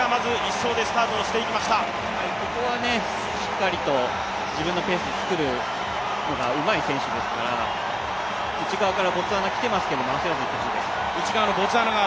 ここはしっかりと自分のペースを作るのがうまい選手ですから、内側からボツワナ来ていますけれども焦らずいってほしいです。